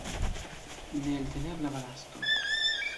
Neeltenebla balasto!